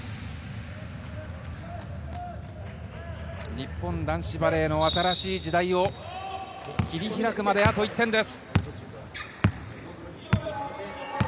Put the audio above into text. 日本男子バレーの新しい時代を切り開くまであと１点です。